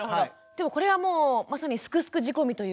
でもこれはもうまさに「すくすく」仕込みというか。